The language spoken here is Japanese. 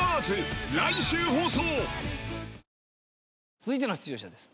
続いての出場者です。